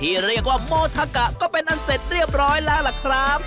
เรียกว่าโมทะกะก็เป็นอันเสร็จเรียบร้อยแล้วล่ะครับ